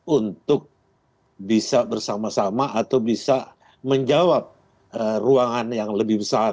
untuk bisa bersama sama atau bisa menjawab ruangan yang lebih besar